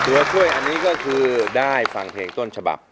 ตัวช่วยอันนี้ก็คือได้ฟังเพลงต้นฉบับ